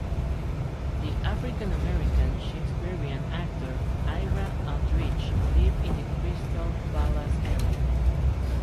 The African-American Shakespearian Actor Ira Aldridge lived in the Crystal Palace area.